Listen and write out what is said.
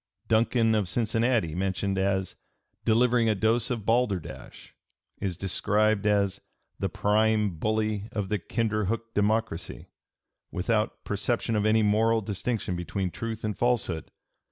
(p. 299) Duncan, of Cincinnati, mentioned as "delivering a dose of balderdash," is described as "the prime bully of the Kinderhook Democracy," without "perception of any moral distinction between truth and falsehood